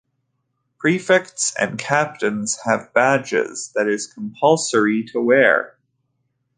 Prefects and captains have badges that is compulsory to wear.